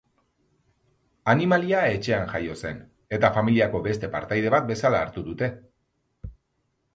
Animalia etxean jaio zen, eta familiako beste partaide bat bezala hartu dute.